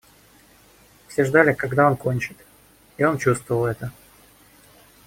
Все ждали, когда он кончит, и он чувствовал это.